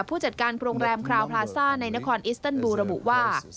ผู้จัดการโรงแรมคราวพลาซ่าในนครอิสเติลบูระบุว่า